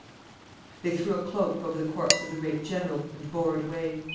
] They threw a cloak over the corpse of the great general, and bore it away.